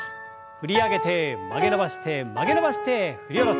振り上げて曲げ伸ばして曲げ伸ばして振り下ろす。